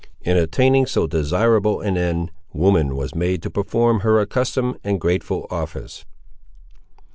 In attaining so desirable an end, woman was made to perform her accustomed and grateful office.